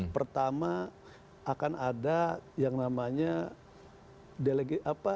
pertama akan ada yang namanya istilahnya